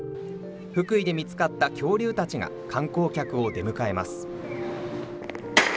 福井で見つかった恐竜たちが観光客を出迎えます。